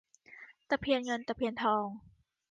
ตะเพียนเงินตะเพียนทอง